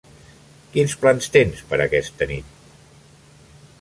Quins plans tens per a aquesta nit?